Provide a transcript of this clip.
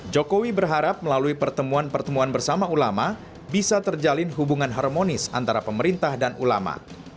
jokowi berharap melalui pertemuan pertemuan bersama ulama bisa terjalin hubungan harmonis antara pemerintah dan ulama